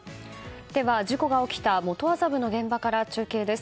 では、事故が起きた元麻布の現場から中継です。